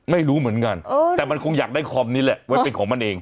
ไม่รู้เหมือนกันแต่มันคงอยากได้คอมนี้แหละไว้เป็นของมันเอง